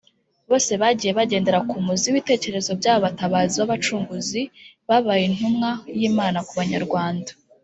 bose bagiye bagendera ku muzi w’ibitekerezo by’aba Batabazi b’abacunguzi babaye Intumwa y’Imana ku Banyarwanda